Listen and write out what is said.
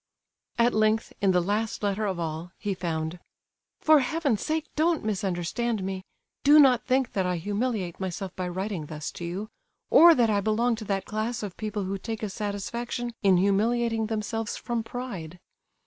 At length, in the last letter of all, he found: "For Heaven's sake, don't misunderstand me! Do not think that I humiliate myself by writing thus to you, or that I belong to that class of people who take a satisfaction in humiliating themselves—from pride.